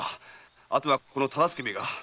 あとはこの忠相めが。